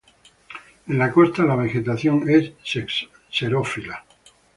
En la costa la vegetación es xerófila.